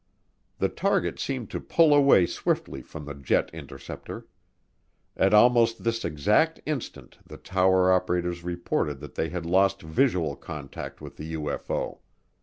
The target seemed to pull away swiftly from the jet interceptor. At almost this exact instant the tower operators reported that they had lost visual contact with the UFO.